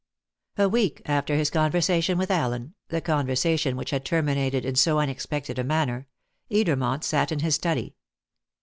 A week after his conversation with Allen the conversation which had terminated in so unexpected a manner Edermont sat in his study.